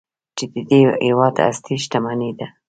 چې د دې هیواد اصلي شتمني ده.